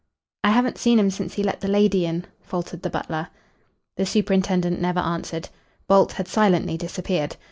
"I haven't seen him since he let the lady in," faltered the butler. The superintendent never answered. Bolt had silently disappeared.